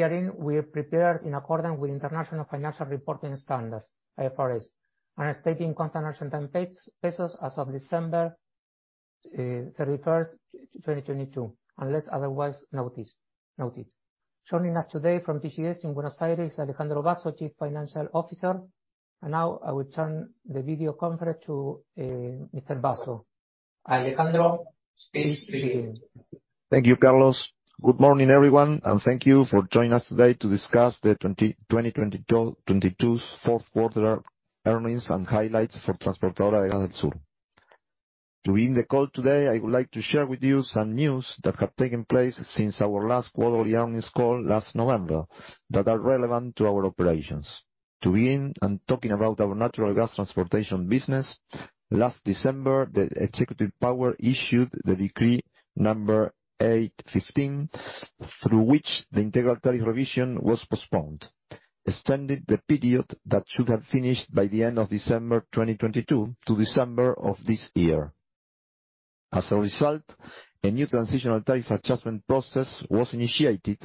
Herein, we have prepared in accordance with International Financial Reporting Standards, IFRS, and are stated in pesos as of December 31st 2022, unless otherwise noted. Joining us today from TGS in Buenos Aires, Alejandro Basso, Chief Financial Officer, now I will turn the video conference to Mr. Basso. Alejandro, please begin. Thank you, Carlos. Good morning, everyone, and thank you for joining us today to discuss the 2022's fourth quarter earnings and highlights for Transportadora de Gas del Sur. To begin the call today, I would like to share with you some news that have taken place since our last quarterly earnings call last November that are relevant to our operations. To begin, and talking about our natural gas transportation business, last December, the executive power issued the decree number 815, through which the integral tariff revision was postponed, extending the period that should have finished by the end of December 2022 to December of this year. As a result, a new transitional tariff adjustment process was initiated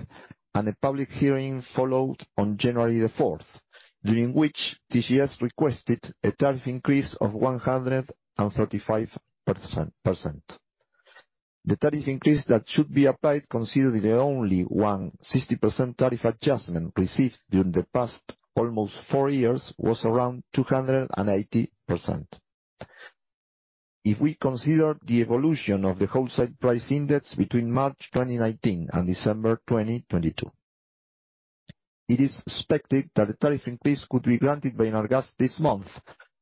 and a public hearing followed on January 4th, during which TGS requested a tariff increase of 135%. The tariff increase that should be applied considering only 160% tariff adjustment received during the past almost four years was around 280%. We consider the evolution of the wholesale price index between March 2019 and December 2022. It is suspected that a tariff increase could be granted by ENARGAS this month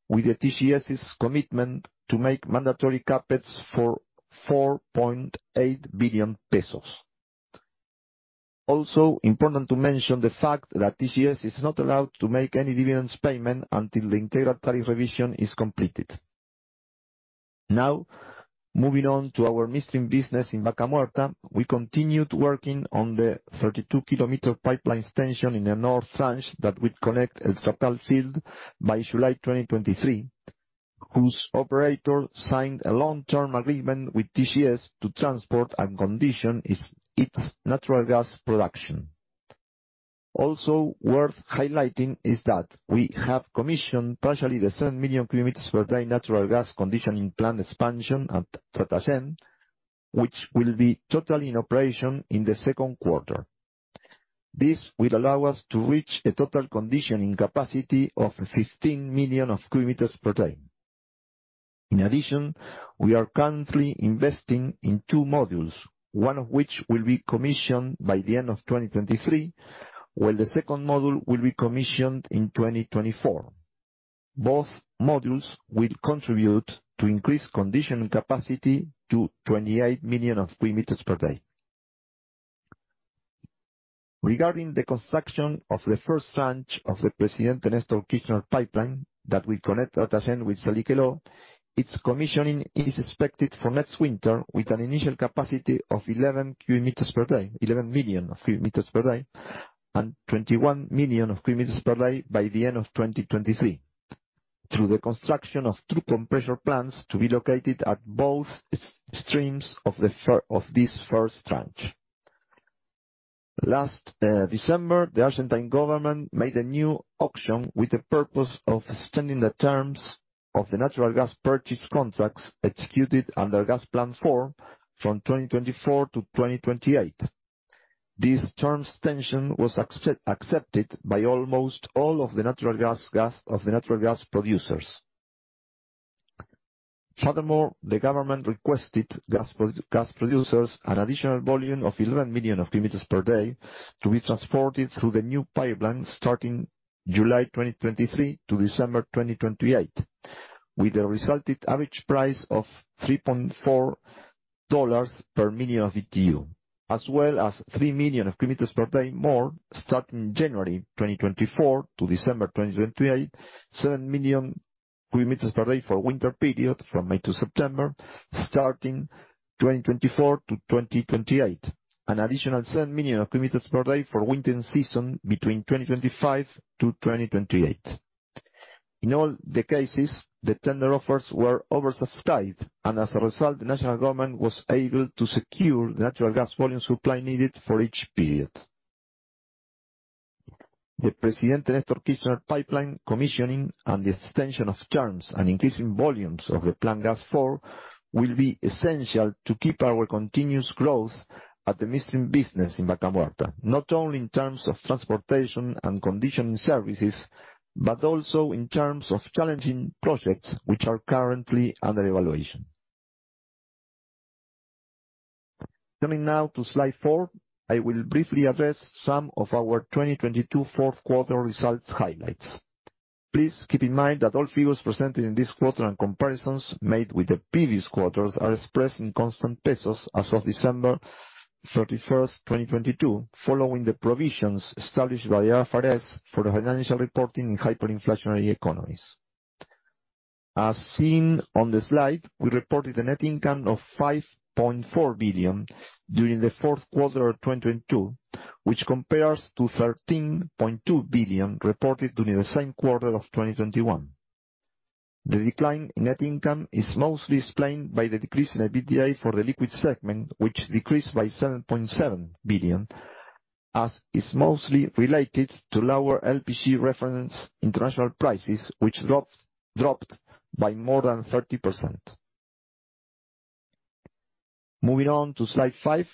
with the TGS's commitment to make mandatory capex for 4.8 billion pesos. Important to mention the fact that TGS is not allowed to make any dividends payment until the integral tariff revision is completed. Moving on to our midstream business in Vaca Muerta, we continued working on the 32 kilometer pipeline extension in the north branch that would connect El Tordillo field by July 2023, whose operator signed a long-term agreement with TGS to transport and condition its natural gas production. Also worth highlighting is that we have commissioned partially the 7 million cubic meters per day natural gas conditioning plant expansion at Tratayén, which will be totally in operation in the second quarter. This will allow us to reach a total conditioning capacity of 15 million of cubic meters per day. In addition, we are currently investing in two modules, one of which will be commissioned by the end of 2023, while the second module will be commissioned in 2024. Both modules will contribute to increase conditioning capacity to 28 million of cubic meters per day. Regarding the construction of the first tranche of the Presidente Néstor Kirchner pipeline that will connect Tratayén with Salliqueló, its commissioning is expected for next winter with an initial capacity of 11 million cubic meters per day, and 21 million cubic meters per day by the end of 2023, through the construction of two compressor plants to be located at both streams of this first tranche. Last December, the Argentine government made a new auction with the purpose of extending the terms of the natural gas purchase contracts executed under Plan Gas 4 from 2024 to 2028. This term extension was accepted by almost all of the natural gas producers. Furthermore, the government requested gas producers an additional volume of 11 million of cubic meters per day to be transported through the new pipeline starting July 2023 to December 2028, with a resulted average price of $3.4 per million BTU, as well as 3 million of cubic meters per day more, starting January 2024 to December 2028, 7 million cubic meters per day for winter period from May to September, starting 2024 to 2028, an additional 7 million of cubic meters per day for winter season between 2025 to 2028. In all the cases, the tender offers were oversubscribed, and as a result, the national government was able to secure the natural gas volume supply needed for each period. The Presidente Néstor Kirchner pipeline commissioning and the extension of terms and increasing volumes of the Plan Gas 4 will be essential to keep our continuous growth at the midstream business in Vaca Muerta, not only in terms of transportation and conditioning services, but also in terms of challenging projects which are currently under evaluation. Coming now to slide four, I will briefly address some of our 2022 fourth quarter results highlights. Please keep in mind that all figures presented in this quarter and comparisons made with the previous quarters are expressed in constant pesos as of December 31, 2022, following the provisions established by IFRS for financial reporting in hyperinflationary economies. As seen on the slide, we reported a net income of 5.4 billion during the fourth quarter of 2022, which compares to 13.2 billion reported during the same quarter of 2021. The decline in net income is mostly explained by the decrease in EBITDA for the liquid segment, which decreased by 7.7 billion, as is mostly related to lower LPG reference international prices, which dropped by more than 30%. Moving on to slide 5,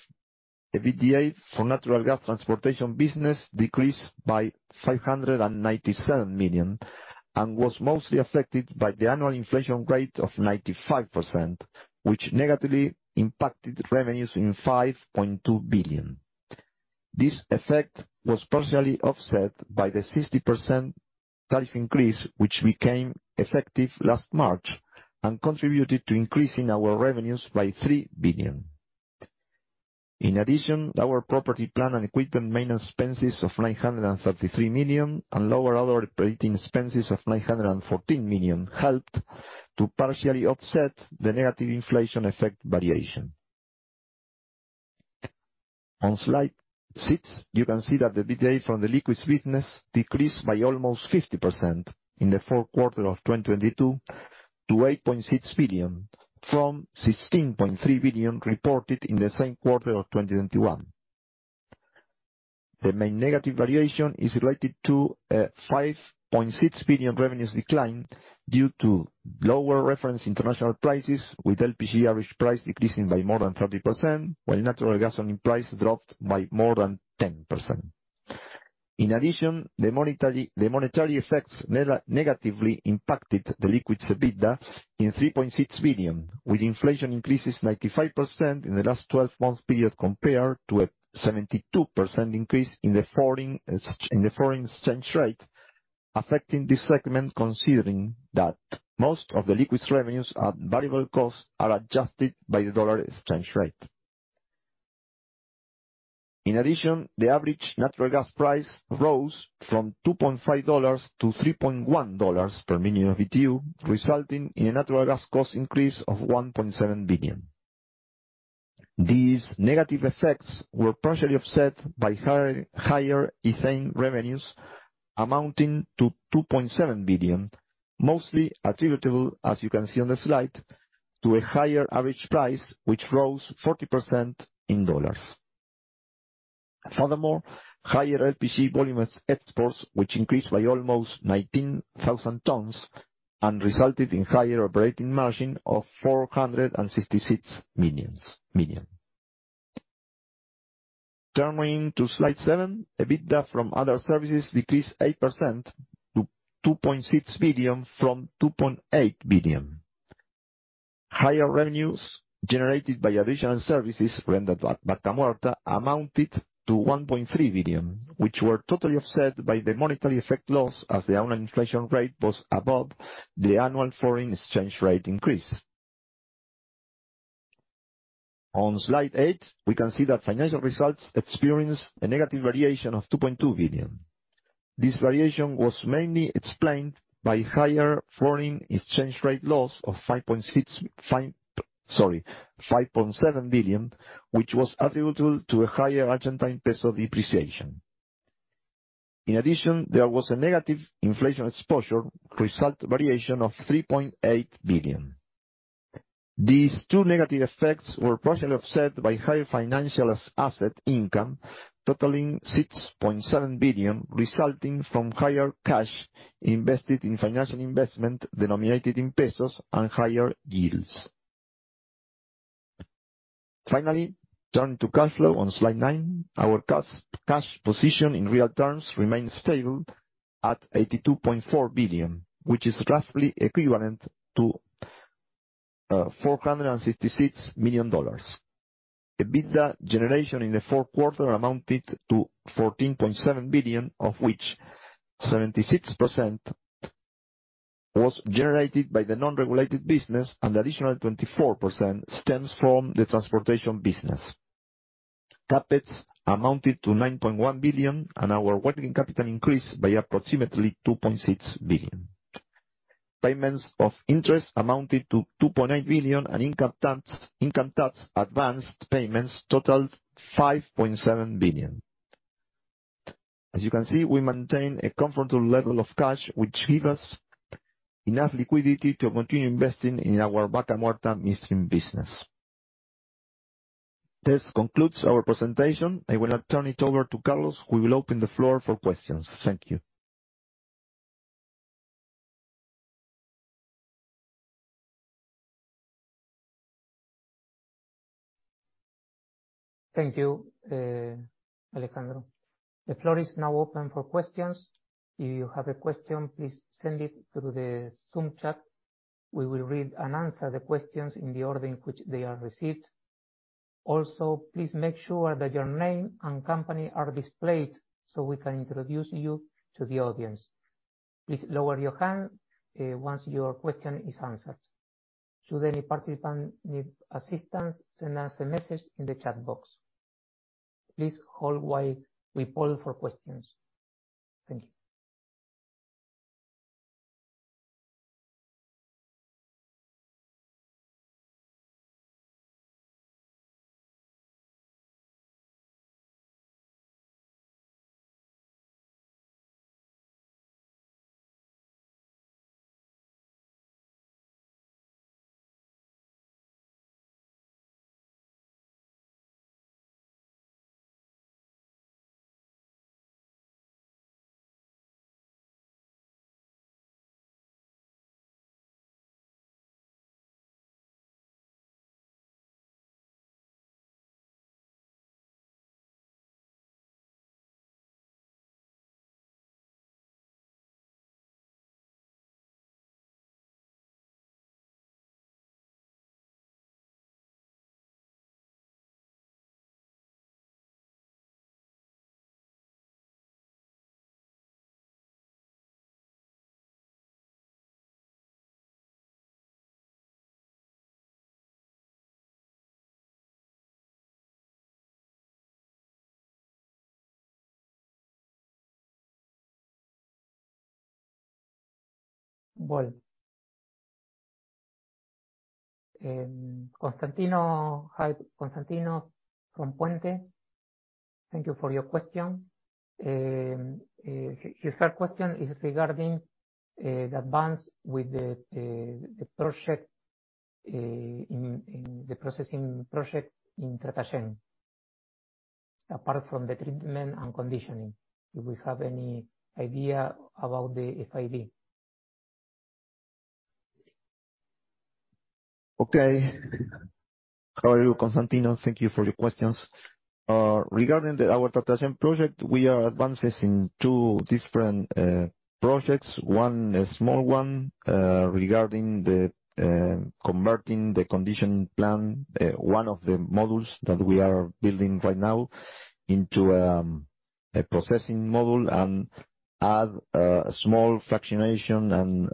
EBITDA for natural gas transportation business decreased by 597 million, was mostly affected by the annual inflation rate of 95%, which negatively impacted revenues in 5.2 billion. This effect was partially offset by the 60% tariff increase, which became effective last March and contributed to increasing our revenues by 3 billion. Our property plant and equipment maintenance expenses of $933 million and lower other operating expenses of $914 million helped to partially offset the negative inflation effect variation. On slide 6, you can see that the EBITDA from the liquids business decreased by almost 50% in the fourth quarter of 2022 to $8.6 billion from $16.3 billion reported in the same quarter of 2021. The main negative variation is related to a $5.6 billion revenues decline due to lower reference international prices, with LPG average price decreasing by more than 30%, while gas oil price dropped by more than 10%. In addition, the monetary effects negatively impacted the liquids EBITDA in $3.6 billion, with inflation increases 95% in the last 12-month period, compared to a 72% increase in the foreign exchange rate, affecting this segment considering that most of the liquids revenues at variable costs are adjusted by the dollar exchange rate. In addition, the average natural gas price rose from $2.5 to $3.1 per million BTU, resulting in a natural gas cost increase of $1.7 billion. These negative effects were partially offset by higher ethane revenues amounting to $2.7 billion, mostly attributable, as you can see on the slide, to a higher average price, which rose 40% in dollars. Higher LPG volumes exports, which increased by almost 19,000 tons and resulted in higher operating margin of $466 million. Turning to slide seven, EBITDA from other services decreased 8% to $2.6 billion from $2.8 billion. Higher revenues generated by additional services rendered by Vaca Muerta amounted to $1.3 billion, which were totally offset by the monetary effect loss, as the annual inflation rate was above the annual foreign exchange rate increase. On slide eight, we can see that financial results experienced a negative variation of $2.2 billion. This variation was mainly explained by higher foreign exchange rate loss of $5.7 billion, which was attributable to a higher Argentine peso depreciation. There was a negative inflation exposure result variation of $3.8 billion. These two negative effects were partially offset by higher financial asset income totaling 6.7 billion, resulting from higher cash invested in financial investment denominated in pesos and higher yields. Turning to cash flow on slide 9. Our cash position in real terms remains stable at 82.4 billion, which is roughly equivalent to $466 million. EBITDA generation in the fourth quarter amounted to 14.7 billion, of which 76% was generated by the non-regulated business and additional 24% stems from the transportation business. Capex amounted to 9.1 billion, and our working capital increased by approximately 2.6 billion. Payments of interest amounted to 2.8 billion, and income tax advanced payments totaled 5.7 billion. As you can see, we maintain a comfortable level of cash, which give us enough liquidity to continue investing in our Vaca Muerta upstream business. This concludes our presentation. I will now turn it over to Carlos, who will open the floor for questions. Thank you. Thank you, Alejandro. The floor is now open for questions. If you have a question, please send it through the Zoom chat. We will read and answer the questions in the order in which they are received. Also, please make sure that your name and company are displayed so we can introduce you to the audience. Please lower your hand once your question is answered. Should any participant need assistance, send us a message in the chat box. Please hold while we poll for questions. Thank you. Well. Constantino. Hi, Constantino from Puente. Thank you for your question. His third question is regarding the advance with the project in the processing project in Tratayén, apart from the treatment and conditioning. Do we have any idea about the FID? Okay. How are you, Constantino? Thank you for your questions. Regarding the our Tratayén project, we are advancing two different projects. One, a small one, regarding the converting the condition plan, one of the modules that we are building right now into a processing module and add small fractionation and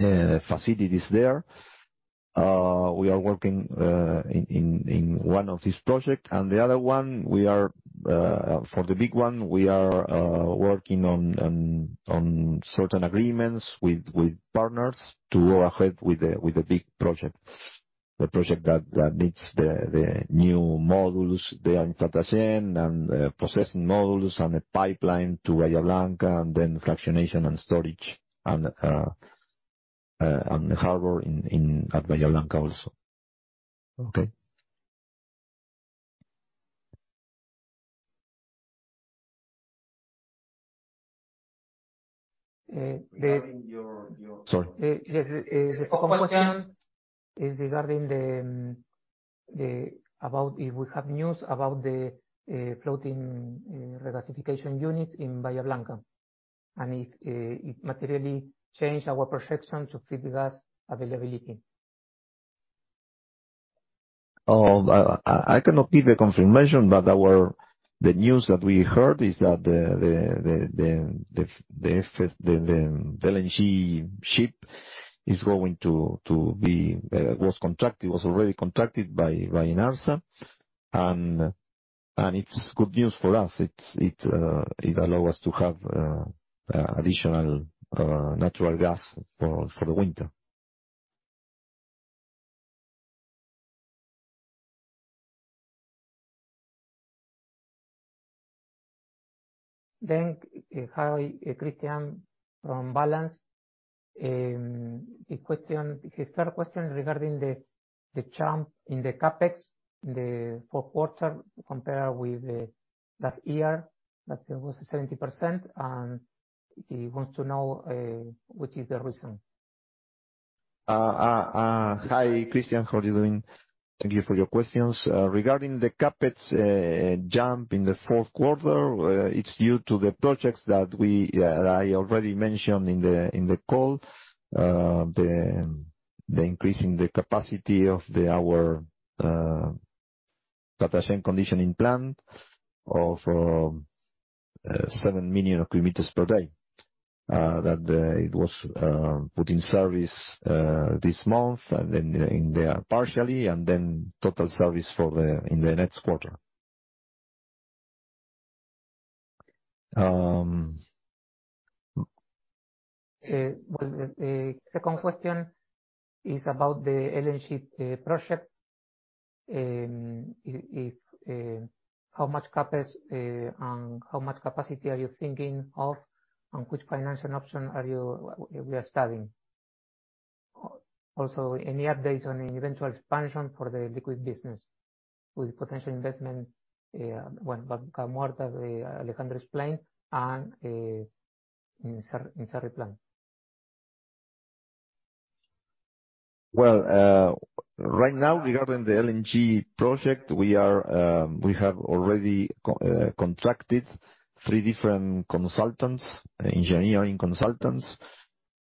storage facilities there. We are working in one of these project. The other one, we are for the big one, we are working on certain agreements with partners to go ahead with the big project. The project that needs the new modules there in Tratayén and processing modules and a pipeline to Bahía Blanca and then fractionation and storage and the harbor in at Bahía Blanca also. Okay. Uh, there is- Regarding your... Sorry. Yes, the second question is regarding the About if we have news about the floating regasification units in Bahía Blanca and if it materially change our perception to feed gas availability? I cannot give the confirmation, but the news that we heard is that the LNG ship is going to be, was contracted, was already contracted by Reinertsen. It's good news for us. It allow us to have additional natural gas for the winter. Hi, Christian from Balanz. His question, his third question regarding the jump in the capex in the fourth quarter compared with last year, that there was 70%. He wants to know what is the reason. Hi, Christian. How are you doing? Thank you for your questions. Regarding the CapEx jump in the fourth quarter, it's due to the projects that we already mentioned in the call. The increase in the capacity of the our Tratayén conditioning plant of 7 million kilograms per day. That it was put in service this month and then in there partially and then total service for the in the next quarter. Well, the second question is about the LNG project. How much CapEx and how much capacity are you thinking of, and which financial option are we studying? Also, any updates on any eventual expansion for the liquid business with potential investment, when? Well, right now, regarding the LNG project, we have already contracted three different consultants, engineering consultants,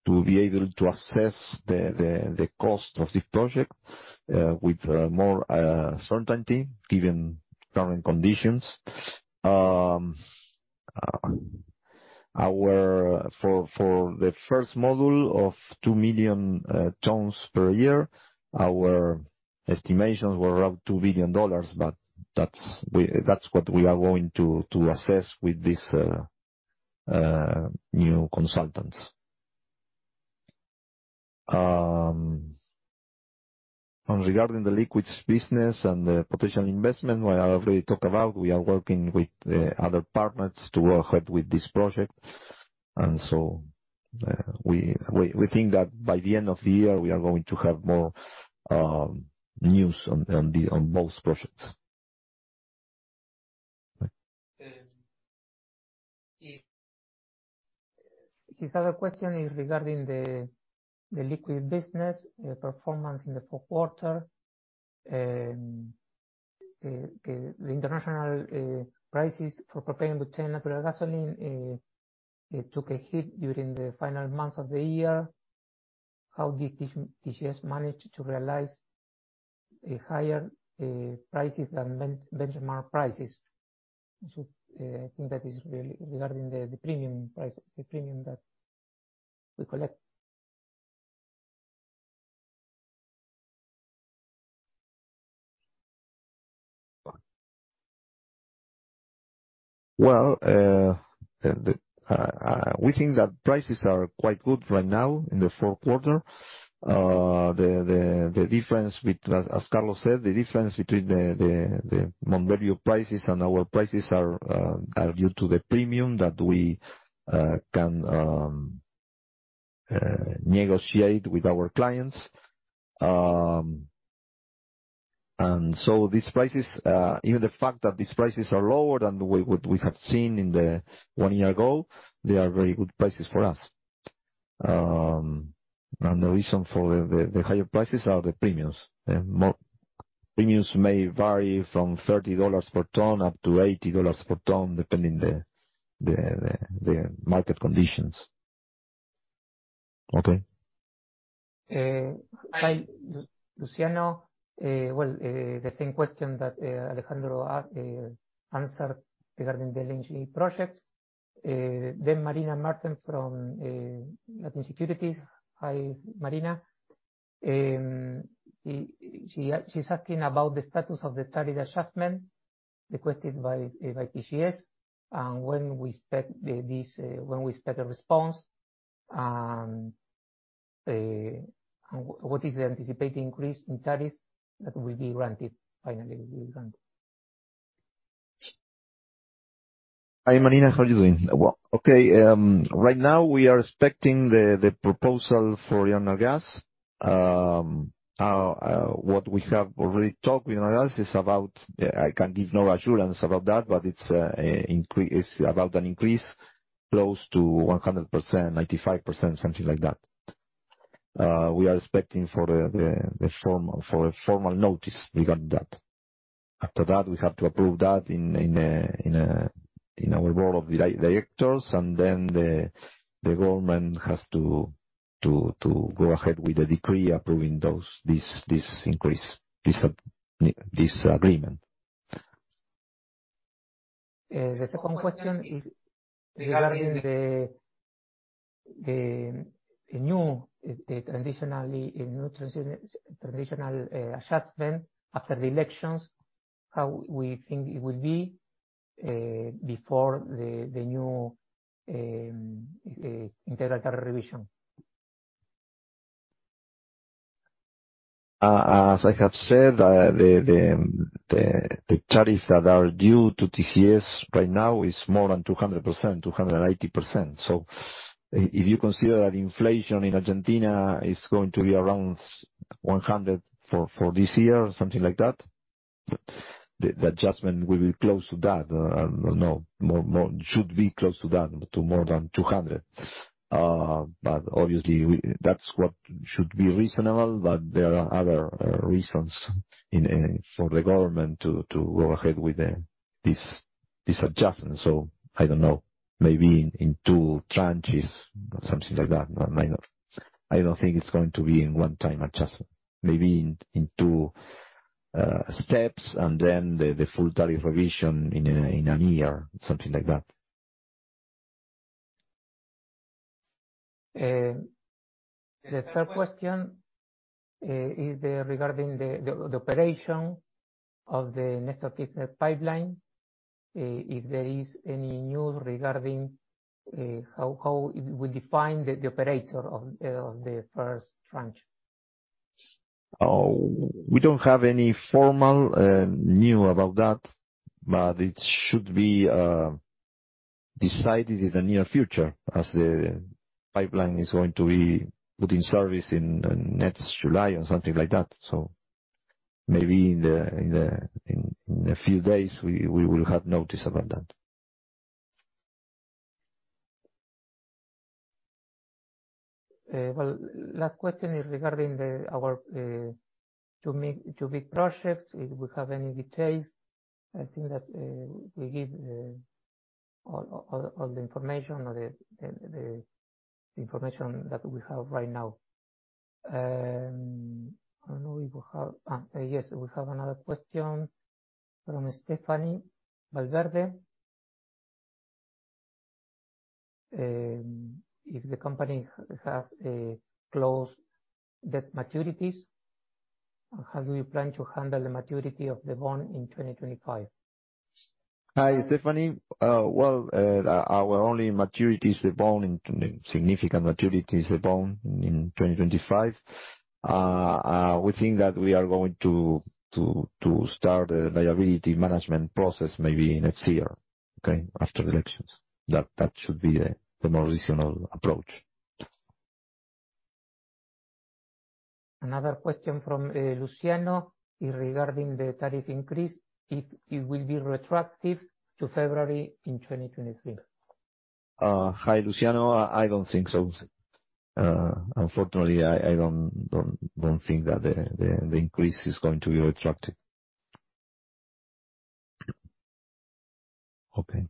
to be able to assess the cost of this project with more certainty given current conditions. For the first module of 2 million tons per year, our estimations were around $2 billion, but that's what we are going to assess with this new consultants. Regarding the liquids business and the potential investment, well, I already talked about, we are working with other partners to go ahead with this project. We think that by the end of the year, we are going to have more news on both projects. His other question is regarding the liquid business performance in the fourth quarter. The international prices for propane butane, natural gasoline, took a hit during the final months of the year. How did TGS manage to realize a higher prices than benchmark prices? I think that is really regarding the premium price, the premium that we collect. Well, we think that prices are quite good right now in the fourth quarter. The difference between, as Carlos said, the difference between the Mont Belvieu prices and our prices are due to the premium that we can negotiate with our clients. These prices, even the fact that these prices are lower than what we have seen in the one year ago, they are very good prices for us. The reason for the higher prices are the premiums. Pre-premiums may vary from $30 per ton up to $80 per ton, depending the market conditions. Okay. Luciano, the same question that Alejandro answered regarding the LNG project. Marina Mertens from Latin Securities. Hi, Marina. She's asking about the status of the tariff adjustment requested by TGS, and when we expect a response, and what is the anticipated increase in tariffs that finally will be granted. Hi, Marina. How are you doing? Well, okay, right now we are expecting the proposal for Rio Nuevo Gas. What we have already talked with Rio Nuevo Gas is about, I can give no assurance about that, but it's about an increase close to 100%, 95%, something like that. We are expecting for the formal notice regarding that. After that, we have to approve that in our role of directors, and then the government has to go ahead with the decree approving this increase, this agreement. The second question is regarding the new, the transitionally, new transitional adjustment after the elections, how we think it will be before the new integral tariff revision? As I have said, the tariffs that are due to TGS right now is more than 200%, 280%. If you consider that inflation in Argentina is going to be around 100% for this year, something like that, the adjustment will be close to that. no, more. It should be close to that, to more than 200. obviously that's what should be reasonable. There are other reasons for the government to go ahead with this adjustment. I don't know, maybe in two tranches or something like that. I might not... I don't think it's going to be in one time adjustment. Maybe in two steps and then the full tariff revision in a year, something like that. The third question, is regarding the operation of the Néstor Kirchner pipeline. If there is any news regarding, how it will define the operator of the first tranche? We don't have any formal new about that. It should be decided in the near future as the pipeline is going to be put in service in next July or something like that. Maybe in a few days, we will have notice about that. Well, last question is regarding our two big projects, if we have any details. I think that we give all the information or the information that we have right now. I don't know if we have. Yes, we have another question from Stephanie Valverde. If the company has closed debt maturities, how do you plan to handle the maturity of the bond in 2025? Hi, Stephanie. well, significant maturity is the bond in 2025. we think that we are going to start the liability management process maybe next year, okay? After the elections. That should be the more reasonable approach. Another question from Luciano regarding the tariff increase, if it will be retroactive to February in 2023. Hi, Luciano. I don't think so. Unfortunately, I don't think that the increase is going to be retroactive. Okay.